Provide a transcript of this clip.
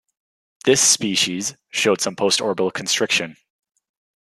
This species showed some postorbital constriction.